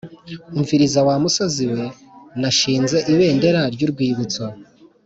umviriza wa musozi we nashinze ibendera ryurwibutso